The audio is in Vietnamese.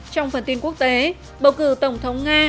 trong phần tin quốc tế bầu cử tổng thống nga